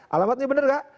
ini gak bener gak